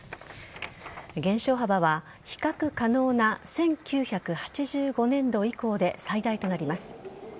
減少幅は比較可能な１９８５年度以降で最大となります。